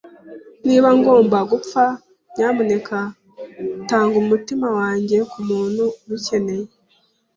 Niba ngomba gupfa, nyamuneka tanga umutima wanjye kumuntu ubikeneye.